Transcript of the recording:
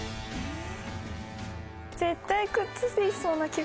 絶対くっつきそうな気がするけど。